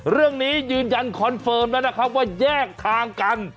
ยืนยันคอนเฟิร์มแล้วนะครับว่าแยกทางกัน